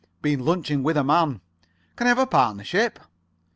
"Been lunching with a man. Can I have a partnership?"